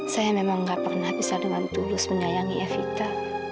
saya memang gak pernah bisa dengan tulus menyayangi evita